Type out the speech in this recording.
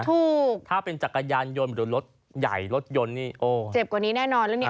ถูกถ้าเป็นจักรยานยนต์หรือรถใหญ่รถยนต์นี่โอ้เจ็บกว่านี้แน่นอนแล้วเนี่ย